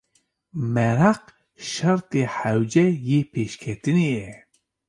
Meraq şertê hewce yê pêşketinê ye.